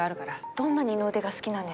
どんな二の腕が好きなんですか？